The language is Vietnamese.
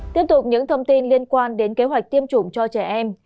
tiếp tục những thông tin liên quan đến kế hoạch tiêm chủng cho trẻ em